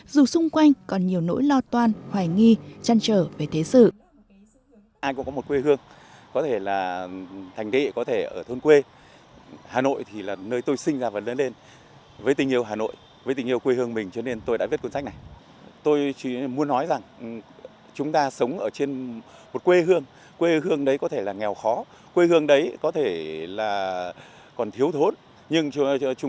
dù xung quanh còn nhiều nỗi lo toan hoài nghi chăn trở về thế sự